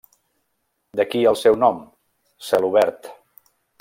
D'aquí el seu nom: celobert.